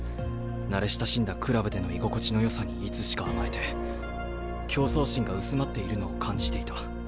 慣れ親しんだクラブでの居心地のよさにいつしか甘えて競争心が薄まっているのを感じていた。